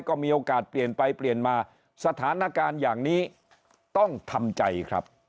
ก็มีโอกาสเปลี่ยนไปเปลี่ยนมาสถานการณ์อย่างนี้ต้องทำใจครับ